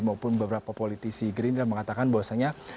maupun beberapa politisi gerindra mengatakan bahwasannya